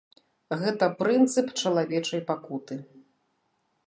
Гэта прынцып чалавечай пакуты.